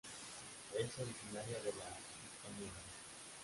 Es originaria de la Hispaniola.